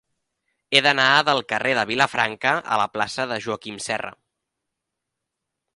He d'anar del carrer de Vilafranca a la plaça de Joaquim Serra.